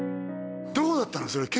どうだったの？